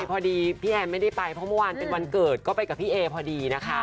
พอดีพี่แอนไม่ได้ไปเพราะเมื่อวานเป็นวันเกิดก็ไปกับพี่เอพอดีนะคะ